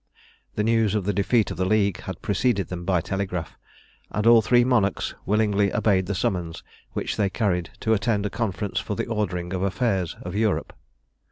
The news of the defeat of the League had preceded them by telegraph, and all three monarchs willingly obeyed the summons which they carried to attend a Conference for the ordering of affairs of Europe.